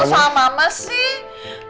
kamu masih sama sih